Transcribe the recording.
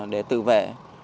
để tự vệ